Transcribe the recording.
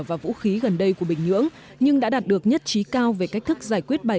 và vũ khí gần đây của bình nhưỡng nhưng đã đạt được nhất trí cao về cách thức giải quyết bài